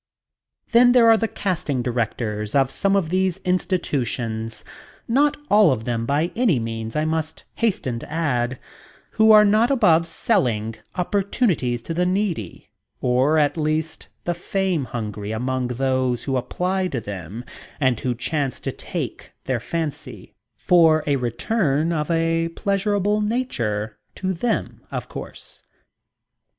Then there are the casting directors of some of these institutions not all of them, by any means, I must hasten to add who are not above selling opportunities to the needy, or at least the fame hungry among those who apply to them and who chance to take their fancy, for a return of a pleasurable nature to them, of course.